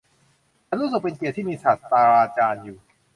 ฉันรู้สึกเป็นเกียรติที่มีศาสตราจารย์อยู่